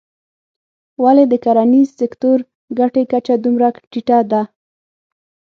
ولې د کرنیز سکتور ګټې کچه دومره ټیټه ده.